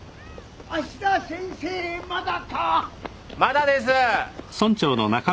芦田先生まだか？